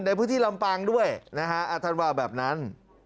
ในพื้นที่ลำปางด้วยอาทารวาลแบบนั้น